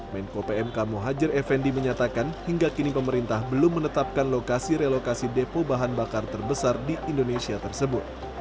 menko pmk muhajir effendi menyatakan hingga kini pemerintah belum menetapkan lokasi relokasi depo bahan bakar terbesar di indonesia tersebut